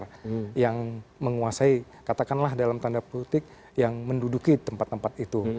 ada yang menguasai katakanlah dalam tanda politik yang menduduki tempat tempat itu